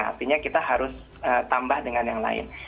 artinya kita harus tambah dengan yang lain